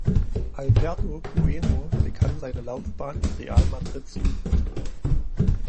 Alberto Bueno begann seine Laufbahn in Real Madrids Jugend.